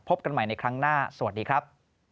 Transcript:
กันใหม่ในครั้งหน้าสวัสดีครับ